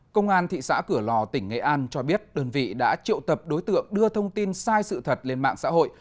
công an thị xã cửa lò tỉnh nghệ an cho biết đơn vị đã triệu tập đối tượng đưa thông tin sai sự thật lên mạng xã hội